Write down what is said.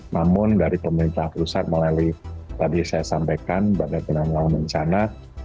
namun dari pemerintah perusahaan melalui tadi saya sampaikan pada penanian lalu mencana